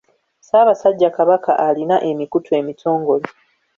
Ssaabasajja Kabaka alina emikutu emitongole.